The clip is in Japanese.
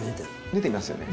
出ていますよね。